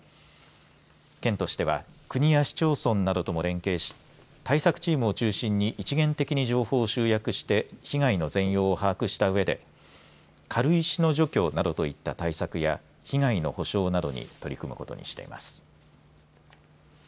県としては国や市町村などとも連携し対策チームを中心に一元的に情報を集約して被害の全容を把握したうえで軽石の除去などといった対策や被害の補償などに取り組むことにしています。